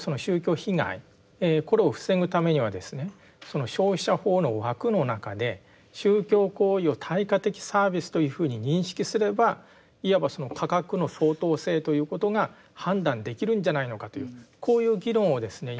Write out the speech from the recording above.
その消費者法の枠の中で宗教行為を対価的サービスというふうに認識すればいわばその価格の相当性ということが判断できるんじゃないのかというこういう議論をですね